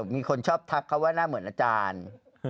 มีคนชอบทักเขาว่าหน้าเหมือนอาจารย์